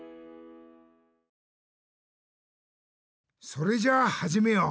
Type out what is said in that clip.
それじゃあはじめよう。